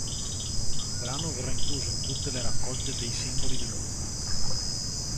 Il brano verrà incluso in tutte le raccolte dei singoli del gruppo.